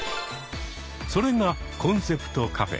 それがコンセプトカフェ。